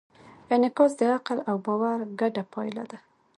انعکاس د عقل او باور ګډه پایله ده.